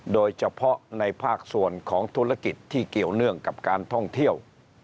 โดยเฉพาะในภาคส่วนของธุรกิจที่เกี่ยวเนื่องกับการท่องเที่ยว